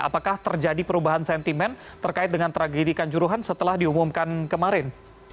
apakah terjadi perubahan sentimen terkait dengan tragedi ikan juruhan setelah diumumkan